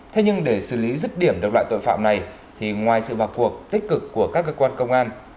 thế nhưng để xử lý rứt điểm được loại tội phạm này thì ngoài sự vào cuộc tích cực của các cơ quan công an